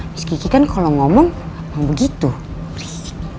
mis gigi kan kalau ngomong mau begitu berisik